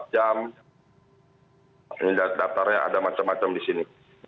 jadi datarnya ada macam macam di sini